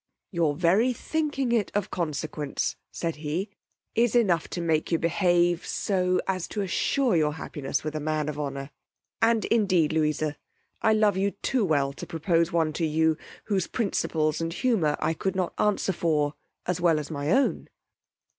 Your very thinking it of consequence, said he, is enough to make you behave so, as to allure your happiness with a man of honour; and indeed Louisa, I love you too well to propose one to you whose principles and humour I could not answer for as well as my own.